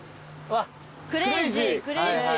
クレイジー。